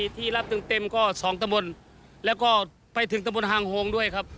ที่รับเต็มก็๒ตะบนแล้วก็ไปถึงตะบนหางโฮงด้วยครับ